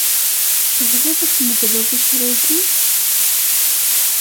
Tebɣiḍ ad tmedleḍ iccer-agi?